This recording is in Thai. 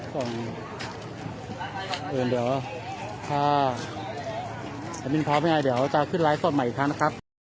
ผมเดี๋ยวถ้าจะบินพร้อมยังไงเดี๋ยวจะขึ้นไลฟ์สดใหม่อีกครั้งนะครับ